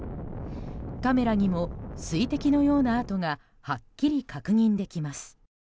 カメラにも水滴のような跡がはっきり確認できます。